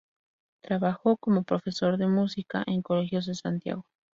Trabajó como profesor de música en colegios de Santiago.